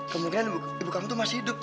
kemungkinan ibu kamu itu masih hidup